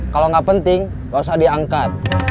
kalau gak penting gak usah diangkat